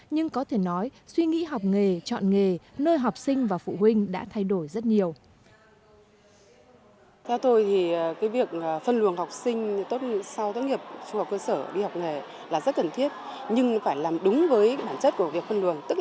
nhưng có thể nói suy nghĩ học nghề chọn nghề nơi học sinh và phụ huynh đã thay đổi rất nhiều